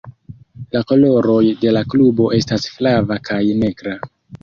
La koloroj de la klubo estas flava kaj negra.